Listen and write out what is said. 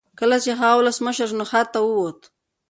کله چې هغه ولسمشر شو نو ښار ته وووت.